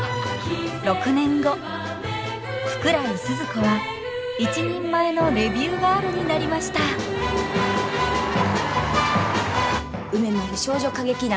６年後福来スズ子は一人前のレビューガールになりました梅丸少女歌劇団